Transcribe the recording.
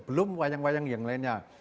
belum wayang wayang yang lainnya